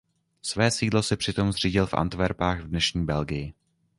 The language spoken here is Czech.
Své sídlo si přitom zřídil v Antverpách v dnešní Belgii.